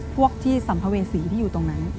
พวกที่สัมภเวษีที่อยู่ตรงนั้น